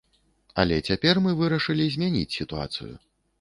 Але цяпер мы вырашылі змяніць сітуацыю.